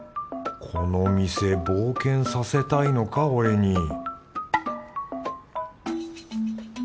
この店冒険させたいのか俺に